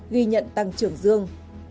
ghi nhận tăng trưởng dương